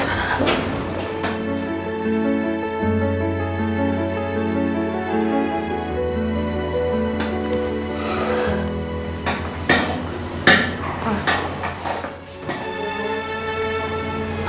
ya terima kasih